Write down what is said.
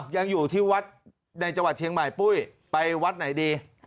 ยังอยู่ที่วัดในจังหวัดเชียงใหม่ปุ้ยไปวัดไหนดี